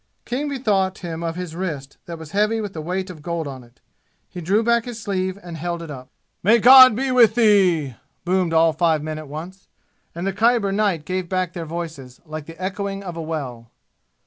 King bethought him of his wrist, that was heavy with the weight of gold on it. He drew back his sleeve and held it up. "May God be with thee!" boomed all five men at once, and the Khyber night gave back their voices, like the echoing of a well.